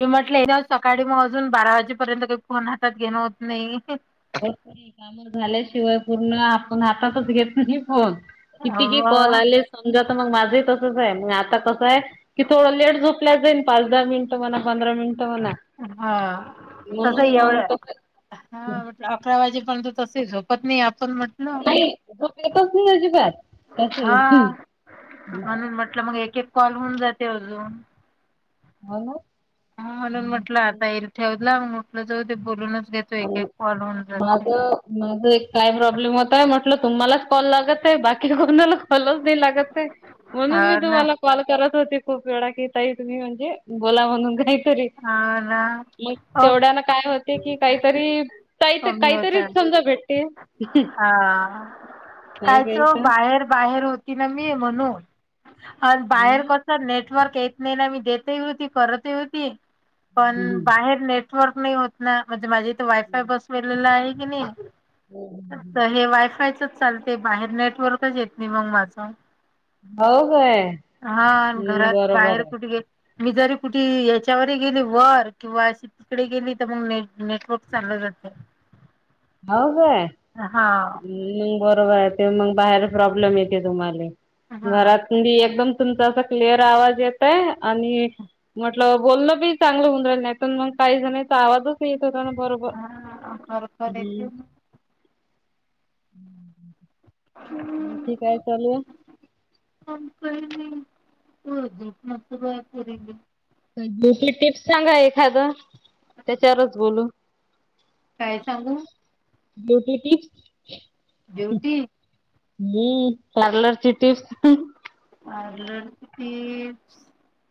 मी म्हटले सकाळी मग अजून बारा वाजेपर्यंत काही फोन हातात घेणं होत नाही? हो तरी काम झाल्याशिवाय पूर्ण आपण हातातच घेत नाही फोन. किती ते कॉल मग आलेत? समजा मग माझंही तसच आहे, मग आता कसं आहे की थोडं लेट झोपल्या जाईल पाच दहा मिनिट म्हणा पंधरा मिनट म्हणा हा तसं म्हणून मग एवढं कस हा म्हटलं अकरा वाजे पर्यन तसे झोपत नाही आपण म्हटलं. आई झोपे येतच नाही अजिबात हा कस म्हणून म्हटलं मग एक एक कॉल होऊन जाते अजून. हा ना! हा म्हणून म्हटलं आता येईल ठेवल म्हटलं जाऊ दे बोलूनच घेतो एक एक कॉल होऊन जाते. माझा एक काय प्रॉब्लेम होतय म्हटलं तुम्हाला कॉल लागत बाकी कोणाला कॉलच नाही लागत हा म्हणून मी ना तुम्हाला कॉल करत होती खूप वेळा की ताई तुम्ही म्हणजे बोला म्हणून काय तरी हा ना मग हो तेवढ्याना काय होते की काय तरी ताई कमी काहीतरी समजा भेटते. आ! नाही कालच काही तर बाहेर बाहेर होती ना मी म्हणून पण हो बाहेर ना. पण सर नेटवर्क येत नाही ना मी देत होती करत ही होती. पण बाहेर नेटवर्क नाही होत ना म्हणजे माझ्या इथे वायफाय बसवलेला आहे कणी आता हे वायफायचच चालते बाहेर नेटवर्कच येत नाही मग माझं. हो काय हा हम्म घरात बरोबर बाहेर आहे. कुठे गे मी जरी कुठे य त्याच्यामध्ये गेली वर किंवा अशी तिकडे गेली तर मग नेट नेटवर्क चाललं जातं. हाऊ काय! हा! मग बरोबर आहे ते मग बाहेर प्रॉब्लेम येते तुम्हाले हा घरात मी एकदम तुमचा अस क्लिअर आवाज येतय आणि म्हटलं बोलण बी चागलं होऊन राहिल नाही तर मग काही जण्याचा आवाजच येत होता ना बरोब हा खर खर येत. [inaudible] आणखी काय चालू हा? [unintelligible] छोटीशी टिप्स सांगा एखादं त्याच्यावरच बोलू. काय सांगू? Beauty tips. ब्युटी? हम्म पार्लरची टिप्स. पार्लरची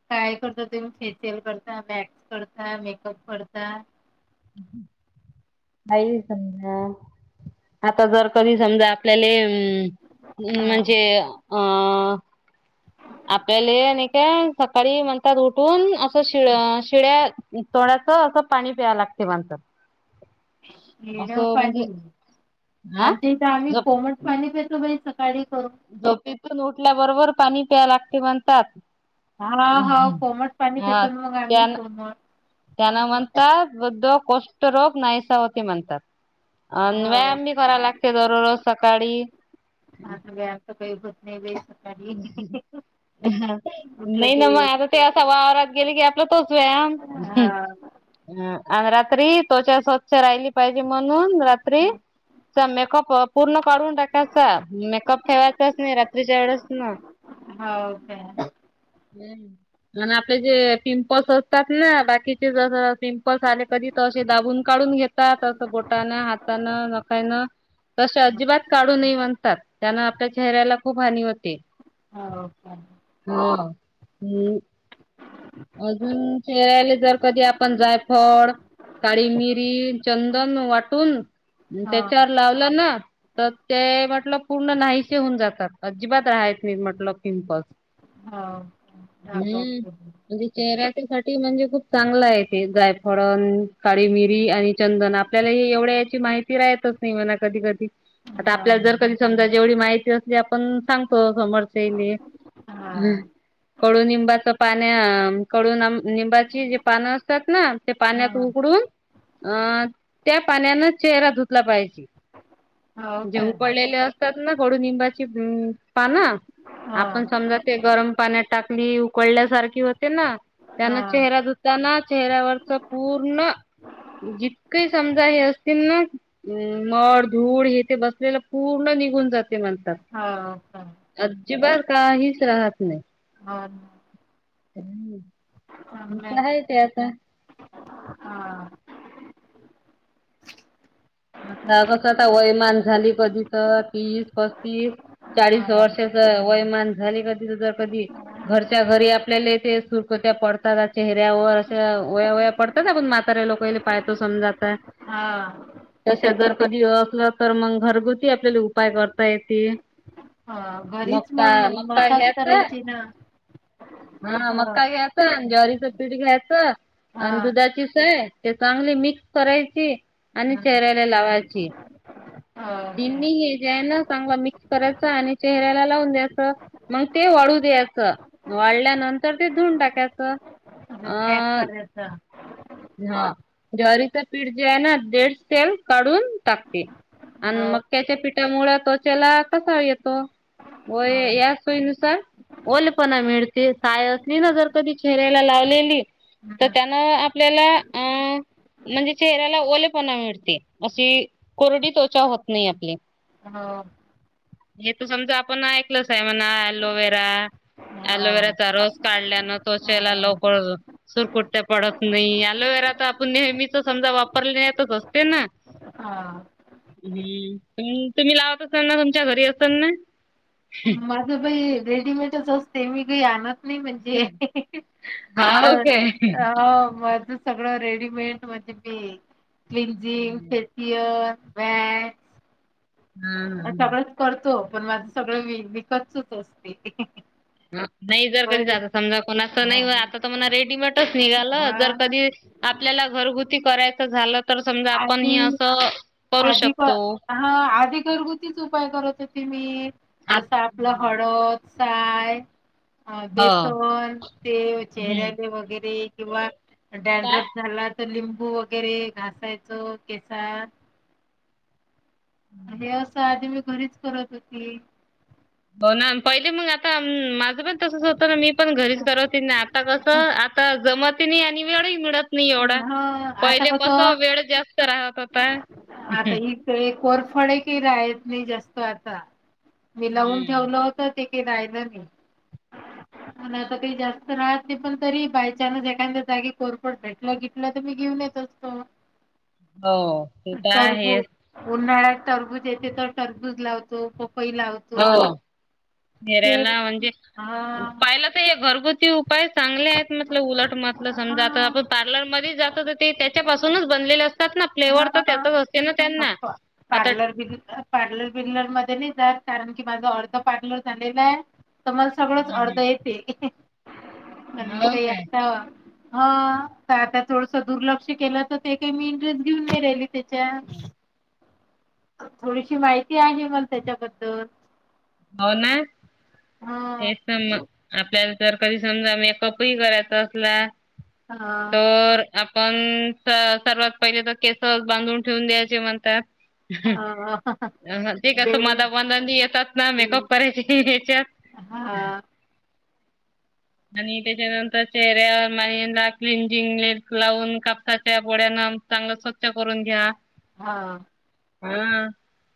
काय करता तुम्ही फेशियल करता मॅक्स करता मेकअप करता? [inaudible] नाही समजा आता जर कधी समजा आपल्याला ये हम्म, हा म्हणजे अ आपल्याला हे नाही का सकाळी म्हणतात उठून असं शिळ शिळ्या थोड्यास असं पाणी प्यावं लागते माणसात हेड्याव पाणी हा आमच्या इथं आम्ही झोप कोमट पाणी पितो बाई सकाळी करू झोपेतून उठल्याबरोबर पाणी प्याय लागते म्हणतात. हा हा कोमट पाणी पेतो मग आम्ही सोबत त्याना म्हणतात वृद्ध कृष्ठरोग नाहीसा होती म्हणतात. अ हो व्यायाम बी कराय लागते दररोज सकाळी. आता व्यायाम सकाळी उठते बेत. [unintelligible] उठलं नाही ना म की आता ते असा वावरात गेले की आपला तोच व्यायम. हा ह आणि रात्री त्वच्या स्वच्छ राहिली पाहिजे म्हणून रात्री मेकअप पूर्ण काढून टाकायचा मेकअप ठेवायचाच नाही रात्रीच्या वेळेस. ना. हो ओके. हम्म. आणि आपले जे पिंपल्स असतात ना बाकीचे जस पिंपल्स आले कधी. त असे दाबून काढून घेतात असं बोटानं हातानं नकायनं. तसे अजिबात काढू नाही म्हनतात त्याना आपल्या चेहऱ्याला खूप हानी होते. हाव का. हा हम. अजून चेहऱ्याला जर कधी आपण जाय फळ. काळी मिरी चंदन वाटून हा हो त्याच्यावर लावलं ना. तर ते म्हटलं पूर्ण नाहीसे होऊन जातात अजिबात राहात मी म्हटलं पिंपल्स. हा हा हम्म प्रॉब्लेम. म्हणजे चेहऱ्या साठी म्हणजे खूप चांगलं आहे ते जायफळण. काळी मिरी आणि चंदन आपल्याला हे एवढ्या याची माहिती राहतच नाही म्हणा कधी कधी. आता हा आपल्याला जर का चंदनाची जेवढी माहिती असली आपण सांगतो समोर. के बी म हं हा कडुनिंबाचा पाण्याम कडू नम. निंबाची जे पानं असतात ना ते पाण्यात हा उकडून. अ त्या पाण्यानं चेहरा धुतला पाहिजे हो म्हणजे काय उकडलेले अस. तग कडू निंबाची पान हा आपण समज. ते गरम पाण्यात टाकली उकळल्यासारखी होते ना हा त्याना चेहरा द''--'' त्यांना चेहऱ्यावरच पूर्ण जितके समजा हे असतील ना. हम मळ धूळ हे ते बसलेलं पूर्ण निघून जात. म्हणतात हो का अजिबात काहीच राहत नाही. हा, हम. झालं का नाही हा. आ कसं आता वयमान झाली कधी तर तीस पस्तीस चाळीस हा वर्ष. वयमान झाली कधी त जर कधी. घरच्या घरी आपल्याला ते सुरकुत्या पडतात चेहऱ्यावर अशा वया वया पडतात. तसं म्हातारा्या लोक पायतो समजात. हा, तश जर कधी असलं तर मग घरगुती आपल्याला उपाय करता येतेल. हा घरीच मका मग मका मसाज घ्याच करायची ना हा हो मका घ्याच. चं पीठ घ्यायचं हा अ दुधाची सय. ते चांगली मिक्स करायची आणि हं. चेहऱ्याला लावायची. हो ही हे जे आहे ना चांगला मिक्स करायच आणि चेहऱ्याला लावून द्यायचं. मग ते वाढू द्यायचं वाढल्यानंतर ते धुन टाकायचं. अ एकर हेच. हा जारीच पीठ जे आहे ना देड सेल काढून टाकते. आणि हो मक्याच्या पिठामुळे त्वचेला कसा येतो. हो या सोईनुसार. ओलेपणा मिळते सायसनी ना जर कधी चेहऱ्याला लावलेली तर हं. त्याना आप. आपल्याला अ. म्हणजे चेहऱ्याला ओलेपणा मिळते अशी कोरडी त्वचा होत नाही आपली. हा, हे तू समजा आपण ऐकलंच आहे म्हणा अलोवेरा हो अलोवेराचा रस काढल्यानं त्वचेला हो लवकर सुरकुत्या पडत नाही अलोवेरा तर आपण नेहमीच समजा वापरण्यातच असते ना हा हम्म तुम्ही लावत असाल ना तुमच्या घरी असेल ना. माझं बाई रेडीमेटच असते मी काही आणत नाही म्हणजे हाव काय? हा सगळं रेडीमेड म्हणजे मी क्लिंजिंग, फेशियल वॅक्स हा सगळंच करतो पण माझं सगळ विकतच असते. नाही जर कधी बर जात समजा कोणा असं नाही हा आता तर मला रेडीमेटच निघालं जर हा कधी आपल्याला घरगुती करायचं झालं तर समजा आपण आधी हे असं करू आधी प- शकतो. हा आधी घरगुतीच उपाय करत होते मी आ जस आपलं हळद साय अ हो. बेसन ते हम्म चेहऱ्याले वगैरे किंवा काय? डँड्रफ झाला तर लिंबू वगैरे घासायचो केसात हे असं आधी मी घरीच करत होती. हो ना पहिले मग आता आ पण तसच होत ना मी पण घरीच करवते ना आता कसं आता जमत ही नाही आणि वेळ मिळत नाही एवढा हा आता पहिले कस कसं वेळ जास्त राहत होता. ते कोरफडे राहेत नाही आता मी लावून हं. ठेवलं होत. [unintelligible] आणि आता काही जास्त राहत नाही पण तरी बायचानस एखाद्या जागी कोर फड बागीतल तर मी घेऊन येत असतो हो, ते तर टरबू आहेच. उन्हाळ्यात तरबूज येते तर तरबूज लावतो, पपई लावतो. हो ते चेहऱ्याला म्हणजे हा पाहिलं घरगुती उपाय चांगले आहेत म्हटल उलट मत आप समजा आता आपण हा पार्लरमध्ये जात तर ते त्याच्यापासूनच बनलेलं अस फ्लेवर तर हा त्याच असते ना त्यांना अप्पा आता [inaudible] पार्लर बिर्लर मध्ये नाही जात कारण की माझ अर्ध पार्लर झालेल हाय. तर मला सगळंच अर्ध येते. तर मग हो काही काय? आता ह आता थोडस दुर्लक्ष केलं तर ते काही मी इंटरेस्ट देऊन नाही राहिली त्याच्यात. [unintelligible] थोडीशी माहिती आहे मग त्याच्याबद्दल. हो ना हं हेच मग आपल्या जर कधी समजा मेकअपही करायचा असला हं तर आपण सर्वात पहिले तर केस बांधून ठेवून द्यायचे म्हणतात. हं ते कसं मध बेल मधानी येतात. ना मेकअप करायची की याच्यात हां आणि त्याच्यानंतर चेहऱ्यावर मा क्लनजिंग लावून कापसाच्या बोळ्यान चांगलं स्वच्छ करून घ्या. हा हा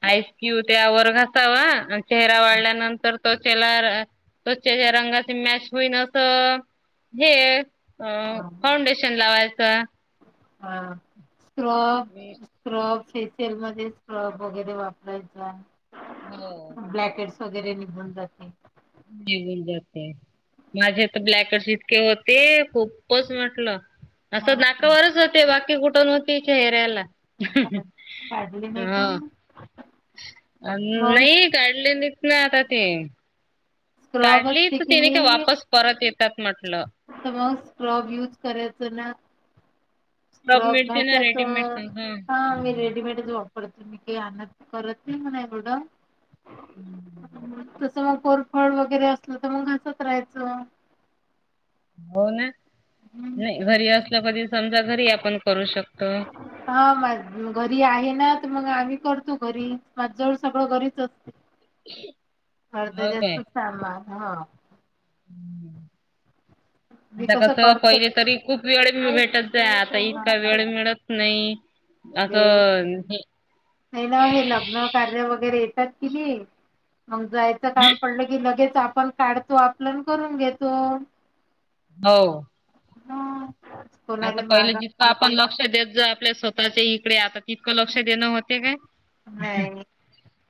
आईस क्यूब त्यावर घासावा आणि चेहरा हां वाळल्यानंतर त्वचेला त्वचेच्या रंगाचे मॅच होईन असं हे अ फाउंडेशन लावायचा हा स्क्रब मी स्क्रब फेशियल मध्ये स्क्रब वगैरे वापरायचा. हो ब्लॅकहेड्सची वगैरे निघून जाते. ते [unintelligible] असते. माझे तर ब्लॅकहेड्सची इतके होते, खूपच म्हटलं असं हां नाकावरच होते, बाकी कुठू न होती चेहऱ्याला. काढले नाही हा का मग? अं मग नाही काढले नाईत ना आता ते स्क्रब काढली असते तर की तेनी का वापस परत येतात म्हटलं. आता मग स्क्रब युज करायचं ना रब स्क्रब मिळते ना घ्यायच, रेडीमेड हा मी रेडीमेड जोड [unintelligible] फड वगैरे असलं तर मग, घासत राहायचं. हो ना, नाही घरी असलं कधी समजा घरी आपण करू शकतो. हा म घरी आहे ना, तर मग आम्ही करतो घरी मग जर सगळं घरीच. ह अर्ध जास्त सामान, हा मी आता कसं, करतो पहिले तरी खूप वेळ भेटत जा आता इतका हा वेळ मिळत नाही असं हे हेला ना हे लग्न कार्य वगैरे येतात, कि नाही मग जायचं काम पडलं की, लगेच आपण काढतो आपलं अन् करून घेतो. हो कोणाले आता पहिलं मागा जितकं आणि ते आपण लक्ष देत जा आपल्या सो ताच्या इकडे आता तितकं लक्ष देणं होते काय? नाही,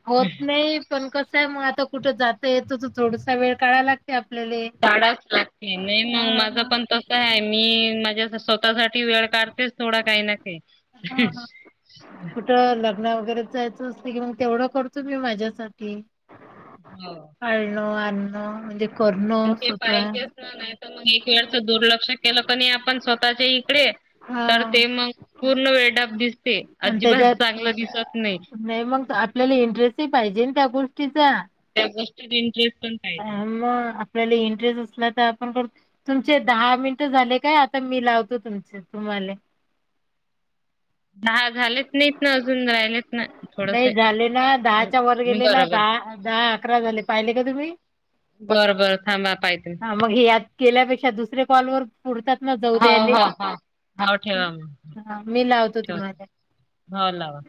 होत नाही. पण कसं आहे, मग आता कुठे जात येतो तर थोडसा वेळ काढाला लाग ते आपल्याले. काडावच लागते, नाही मग माझं पण तस सं आहे, मी माझ्या स्वतःसाठी वेळ काढतेच थोडा काही ना काही. तर लग्न वगैरे जायचं असलं, की मग तेवढं करतो मी माझ्यासाठी हो अळणो, अरणो म्हणजे करणं ते स्वतः पाहिजेच ना, नाही तर मग एक वेळच दुर्लक्ष केलं क नाही आपण स्वतःच्या इकडे तर हा. ते मग पूर्ण वेळडाब दिसते, आणि अजिबात त्याच्यात चांगलं दिसत नाही. नाही मग आपल्याला इंटरेस्टही पाहिजे ना त्या गोष्टीचा. त्या गोष्टीत इंटरेस्ट अ पाहिजे. मग आपल्याला इंटरेस्ट असला, तर आपण करतो तुमचे दहा मिनट झाले काय? आता मी लावतो तुमचे तुम्हाले दहा झालेच नाहीत ना अजून राहिलेत ना थोडस नाही झाले ना, दहाच्या वर गेले ना बरं बरं. दहा दहा अकरा झाले पाहिले का तुम्ही? बरं बरं थांबा पाहिते. हा मग हे यात केल्यापेक्षा दुसरे कॉलवर पुडतात ना हो जाऊद्या याले हो हो हो मी लावतो तुम्हाला. ह लावा.